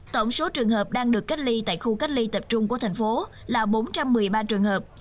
tổng số trường hợp đang được cách ly tại khu cách ly tập trung của thành phố là bốn trăm một mươi ba trường hợp